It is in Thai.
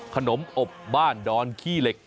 ขนมอบบ้านดอนขี้เหล็ก